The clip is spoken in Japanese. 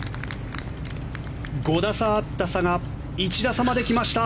５打差あった差が１打差まで来ました。